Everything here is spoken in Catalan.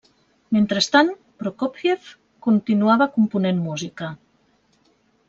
Mentrestant, Prokófiev continuava component música.